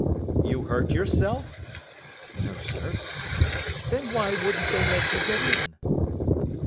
"You hurt yourself?" "No, sir." "Then why wouldn't they let you go in?"